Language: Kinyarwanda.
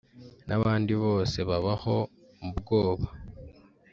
n’abandi bose babaho mu bwoba